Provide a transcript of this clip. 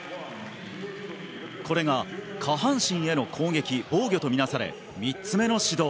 これが、下半身への攻撃防御とみなされ３つ目の指導。